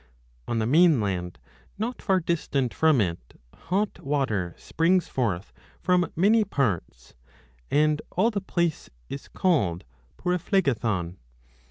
On the mainland not far distant from it hot water springs forth from many parts, and all the place is called Pyri phlegethon.